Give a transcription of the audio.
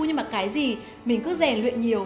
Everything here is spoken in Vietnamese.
nhưng mà cái gì mình cứ rèn luyện nhiều